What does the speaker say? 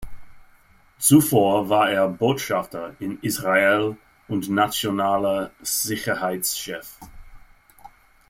Zuvor war er Botschafter in Israel und Nationaler Sicherheitschef.